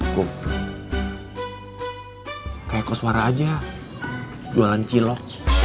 kayak koswara aja jualan cilok